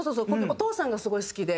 お父さんがすごい好きで。